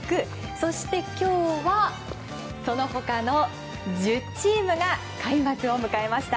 そして今日はその他の１０チームが開幕を迎えました。